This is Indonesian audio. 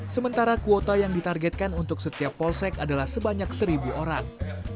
sementara kuota yang ditargetkan untuk setiap polsek adalah sebanyak seribu orang